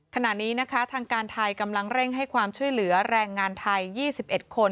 ขณะนี้นะคะทางการไทยกำลังเร่งให้ความช่วยเหลือแรงงานไทย๒๑คน